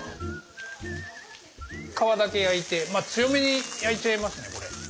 皮だけ焼いて強めに焼いちゃいますね。